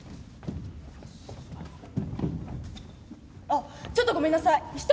あっちょっとごめんなさい。